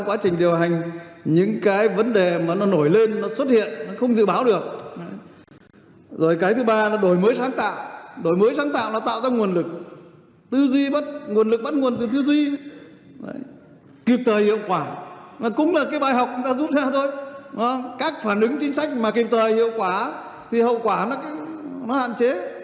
các phản ứng chính sách mà kịp thời hiệu quả thì hậu quả nó hạn chế